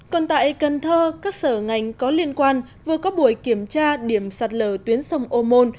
còn tại cần thơ các sở ngành có liên quan vừa có buổi kiểm tra điểm sạt lở tuyến sông ô môn